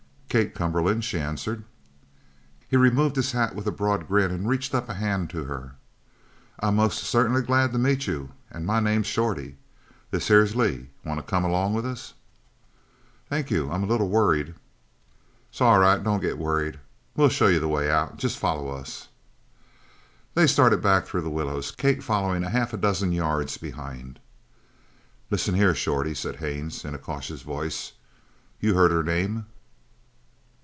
"Kate Cumberland," she answered. He removed his hat with a broad grin and reached up a hand to her. "I'm most certainly glad to meet you, an' my name's Shorty. This here is Lee. Want to come along with us?" "Thank you. I'm a little worried." "'S all right. Don't get worried. We'll show you the way out. Just follow us." They started back through the willows, Kate following half a dozen yards behind. "Listen here, Shorty," said Haines in a cautious voice. "You heard her name?"